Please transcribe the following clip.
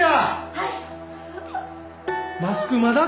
はい！